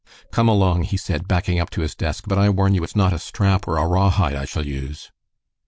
"Come along!" he said, backing up to his desk. "But I warn you it's not a strap or a rawhide I shall use."